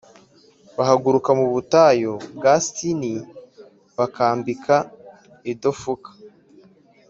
Bahaguruka mu butayu bwa Sini bakambika i Dofuka